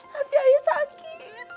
hati ayah sakit